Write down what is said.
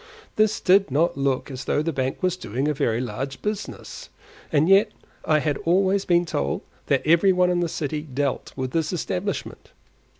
This did not look as though the bank was doing a very large business; and yet I had always been told that every one in the city dealt with this establishment.